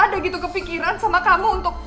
ada gitu kepikiran sama kamu untuk